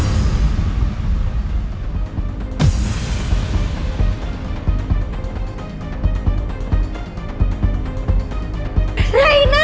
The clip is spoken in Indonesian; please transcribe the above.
ya serius ya